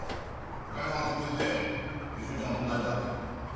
おかみさんは特別で芳美ちゃんは友達だって。